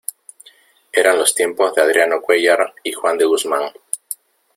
eran los tiempos de Adriano Cuéllar y Juan de Guzmán.